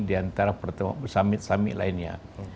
diantara pertemuan summit summit lainnya